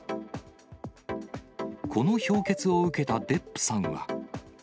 この評決を受けたデップさんは。